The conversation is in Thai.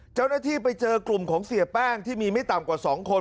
เจ้าหน้าที่ไปเจอกลุ่มของเสียแป้งที่มีไม่ต่ำกว่า๒คน